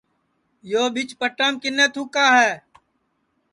یو پیچ پٹام کِنے تُھکا ہے